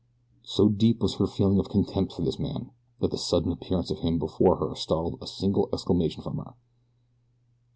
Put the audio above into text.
So deep was her feeling of contempt for this man, that the sudden appearance of him before her startled a single exclamation from her.